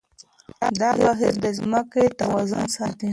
دا بهير د ځمکې توازن ساتي.